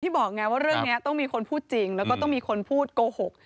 บอกไงว่าเรื่องนี้ต้องมีคนพูดจริงแล้วก็ต้องมีคนพูดโกหก